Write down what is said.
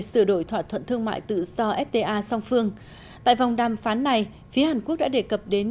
sửa đổi thỏa thuận thương mại tự do fta song phương tại vòng đàm phán này phía hàn quốc đã đề cập đến